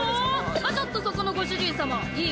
あっちょっとそこのご主人様いい